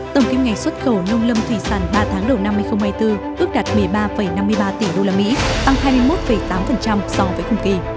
tổng kiếm ngày xuất khẩu nông lâm thủy sản ba tháng đầu năm hai nghìn hai mươi bốn ước đạt một mươi ba năm mươi ba tỷ usd tăng hai mươi một tám so với cùng kỳ